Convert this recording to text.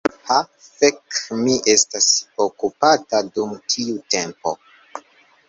Ha fek' mi estas okupata dum tiu tempo